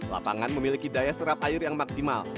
lapangan memiliki daya serap air yang maksimal